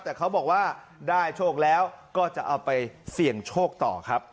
แต่เขาบอกว่าได้โชคแล้วก็จะเอาไปเสี่ยงโชคต่อครับ